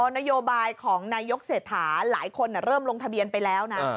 นโยบายของนายกเศรษฐาหลายคนเริ่มลงทะเบียนไปแล้วนะ